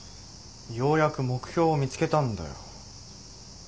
ようやく目標を見つけたんだよ。